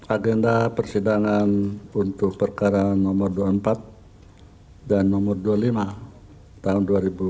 agenda persidangan untuk perkara nomor dua puluh empat dan nomor dua puluh lima tahun dua ribu dua puluh